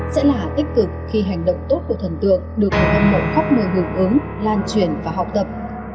sẽ là tích cực khi hành động tốt của thần tượng được người hâm mộ khắp nơi hưởng ứng lan truyền và học tập